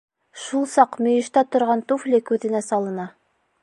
Шул саҡ мөйөштә торған туфли күҙенә салына.